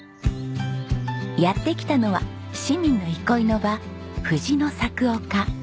やって来たのは市民の憩いの場ふじの咲く丘。